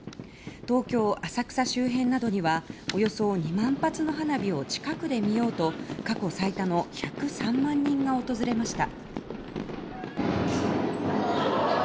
東京・浅草周辺などにはおよそ２万発の花火を近くで見ようと過去最多の１０３万人が訪れました。